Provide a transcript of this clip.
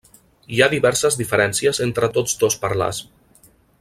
Hi ha diverses diferències entre tots dos parlars.